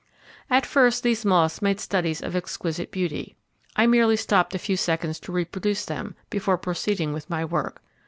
At first, these moths made studies of exquisite beauty, I merely stopped a few seconds to reproduce them, before proceeding with my work.